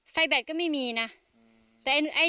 พ่อแบมนี่แหละ